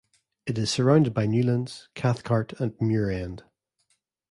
It is surrounded by Newlands, Cathcart and Muirend.